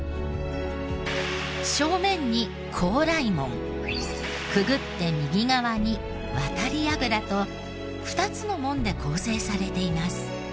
正面に高麗門くぐって右側に渡櫓と２つの門で構成されています。